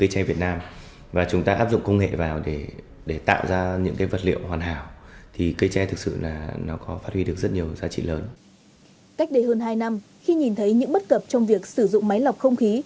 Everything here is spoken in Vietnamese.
cách đây hơn hai năm khi nhìn thấy những bất cập trong việc sử dụng máy lọc không khí